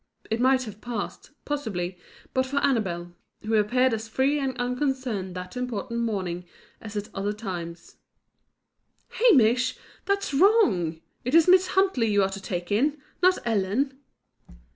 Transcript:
It might have passed, possibly, but for Annabel, who appeared as free and unconcerned that important morning as at other times. "Hamish, that's wrong! It is Miss Huntley you are to take in; not Ellen."